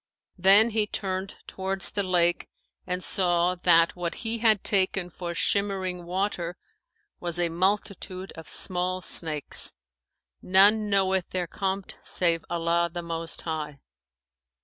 Then he turned towards the lake and saw that what he had taken for shimmering water was a multitude of small snakes, none knoweth their compt save Allah the Most High.